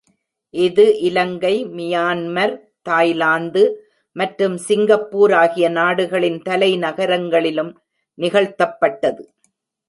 இது Ilangai, Myanmar, Thailand மற்றும் Singapore ஆகிய நாடுகளின் தலைநகரங்களிலும் நிகழ்த்தப்பட்டது.